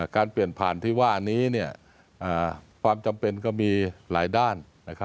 การเปลี่ยนผ่านที่ว่านี้ความจำเป็นก็มีหลายด้าน